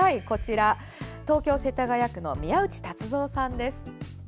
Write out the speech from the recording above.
東京・世田谷区の宮内辰蔵さんです。